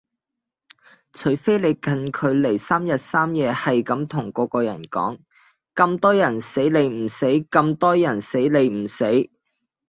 除非你近距離三日三夜係咁同個個人講：咁多人死你唔死，咁多人死你唔死